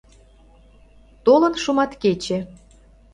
Толын шуматкече